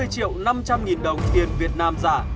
hai mươi triệu năm trăm linh nghìn đồng tiền việt nam giả